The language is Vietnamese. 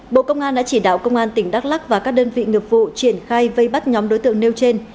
bộ công an đã chỉ đạo công an tỉnh đắk lắc và các đơn vị nghiệp vụ triển khai vây bắt nhóm đối tượng nêu trên